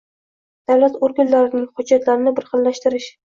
davlat organlarining hujjatlarini birxillashtirish;